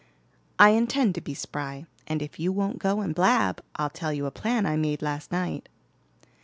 "I intend to be spry, and if you won't go and blab, I'll tell you a plan I made last night."